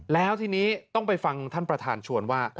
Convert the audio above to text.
แล้วทีนี้ต้องไปฟังท่านประธานชวนว่า